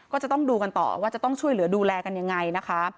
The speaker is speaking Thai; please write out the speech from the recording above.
ก็จะต้องดูกันต่อว่าจะต้องช่วยเหลือดูแลกันยังไงนะคะ